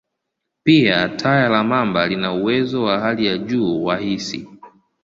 Pia, taya la mamba lina uwezo wa hali ya juu wa hisi.